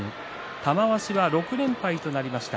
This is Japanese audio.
玉鷲は６連敗となりました。